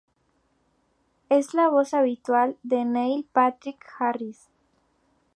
Es la voz habitual de Neil Patrick Harris.